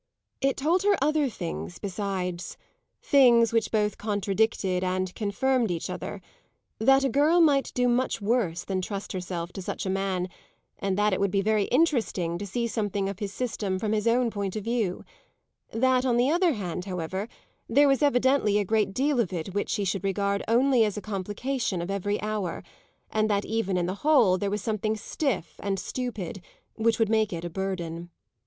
It told her other things besides things which both contradicted and confirmed each other; that a girl might do much worse than trust herself to such a man and that it would be very interesting to see something of his system from his own point of view; that on the other hand, however, there was evidently a great deal of it which she should regard only as a complication of every hour, and that even in the whole there was something stiff and stupid which would make it a burden.